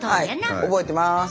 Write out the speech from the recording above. はい覚えてます。